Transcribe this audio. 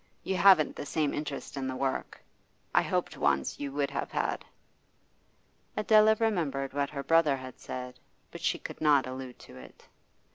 You haven't the same interest in the work. I hoped once you would have had.' Adela remembered what her brother had said, but she could not allude to it.